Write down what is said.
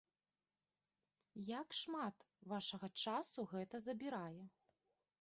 Як шмат вашага часу гэта забірае?